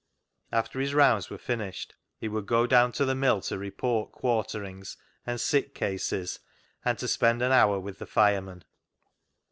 After his rounds were finished, he would go down to the mill to report " quarterings " and sick cases, and to spend an hour with the fireman.